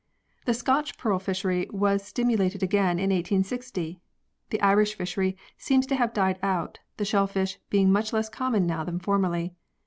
The Scotch pearl fishery was stimulated again in 1860. The Irish fishery seems to have died out the shellfish being much less common now than formerly.